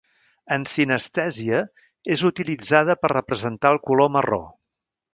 En sinestèsia, és utilitzada per representar el color marró.